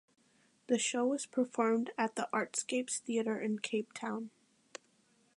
The show was performed at the Artscape Theater in Cape Town.